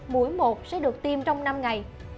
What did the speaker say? mỗi một sẽ được tiêm trong năm ngày